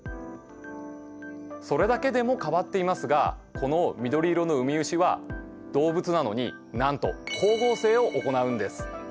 それだけでも変わっていますがこの緑色のウミウシは動物なのになんと光合成を行うんです。